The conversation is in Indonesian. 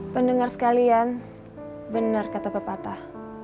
pendengar sekalian benar kata pepatah